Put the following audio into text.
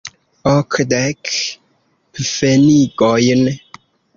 Okdek pfenigojn.